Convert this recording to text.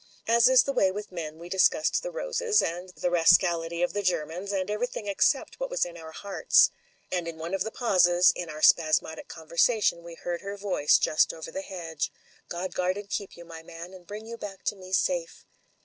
As is the way with men, we discussed the roses, and the rascality of the Germans, and everything except what was in our hearts. And in cme of the pauses in our spasmodic conversation we heard her voice, just over the hedge : ''God guard and keep you, my man, and bring you back to me safe